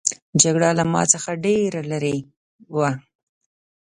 جګړه له ما څخه ډېره لیري وه.